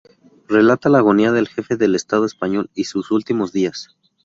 Relata la agonía del jefe del Estado español y sus últimos días.